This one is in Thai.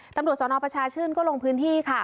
ตำรวจสนประชาชื่นก็ลงพื้นที่ค่ะ